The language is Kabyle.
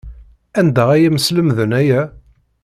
Anda ay am-slemden aya?